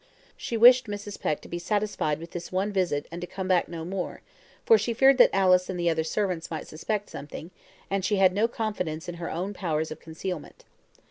She wished Mrs. Peck to be satisfied with this one visit and to come back no more, for she feared that Alice and the other servants might suspect something, and she had no confidence in her own powers of concealment.